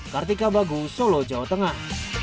kartika bagus solo jawa tengah